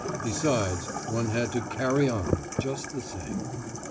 Besides, one had to "carry on" just the same.